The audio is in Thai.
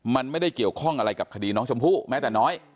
มันไม่ได้เกี่ยวข้องอะไรกับคดีน้องชมพู่แม้แต่น้อย